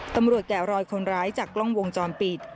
ตำรวจแตะรอยคนร้ายจากกล้องวงจรปิด